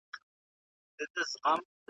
حیا به تللې شرم به هېر وي .